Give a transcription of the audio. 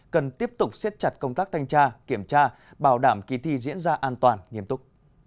cần tiếp tục xếp chặt công tác thanh tra kiểm tra bảo đảm kỳ thi diễn ra an toàn nghiêm túc